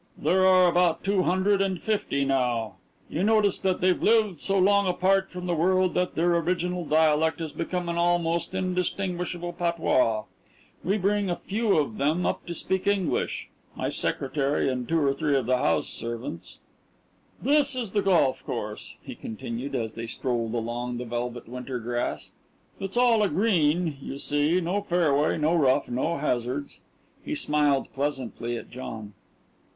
There are about two hundred and fifty now. You notice that they've lived so long apart from the world that their original dialect has become an almost indistinguishable patois. We bring a few of them up to speak English my secretary and two or three of the house servants. "This is the golf course," he continued, as they strolled along the velvet winter grass. "It's all a green, you see no fairway, no rough, no hazards." He smiled pleasantly at John.